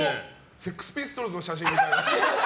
セックスピストルズの写真みたい。